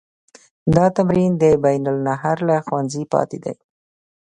دا تمرین د بین النهرین له ښوونځي پاتې دی.